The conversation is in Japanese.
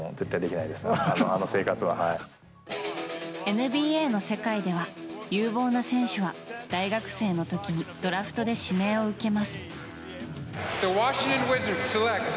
ＮＢＡの世界では有望な選手は大学生の時にドラフトで指名を受けます。